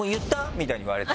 みたいに言われて。